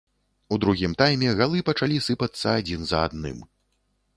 У другім тайме галы пачалі сыпацца адзін за адным.